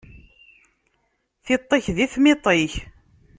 Tiṭ-ik di tmiḍt-ik.